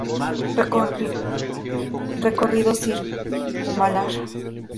Recorrido Circunvalar